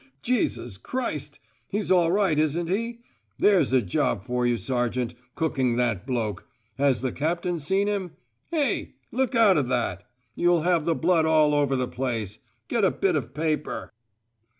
Jesus Christ! He's all right, isn't he? There's a job for you, sergeant, cooking that bloke. Has the Captain seen him? Hey! Look out of that! You'll have the blood all over the place. Get a bit of paper."